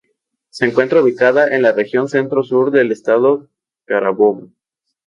Se encuentra ubicada en la "Región Centro-Sur" del Estado Carabobo.